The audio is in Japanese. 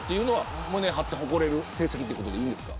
胸張って誇れる成績ってことでいいんですか。